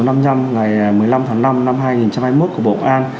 ngày một mươi năm tháng năm năm hai nghìn hai mươi một của bộ an